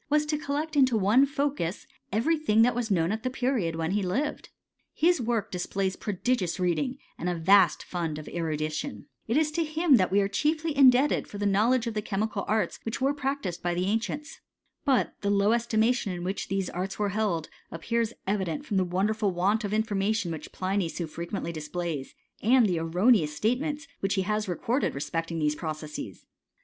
Collect into one focus, every thing that was knoti the period when he lived. His work displays gious reading, and a vast fund of erudition, him that we are chiefly indebted for the knowl the chemical arts which were practised by the an< But the low estimation in which these arts were" appears evident from the wonderful want of infi tion which Pliny so frequently displays, aild*' erroneous statements which he has recorded resp6^ these processes.